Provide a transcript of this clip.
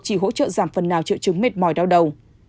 chỉ hỗ trợ giảm phần nào triệu chứng mệt mỏi đau đầu